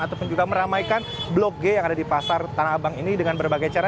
ataupun juga meramaikan blok g yang ada di pasar tanah abang ini dengan berbagai cara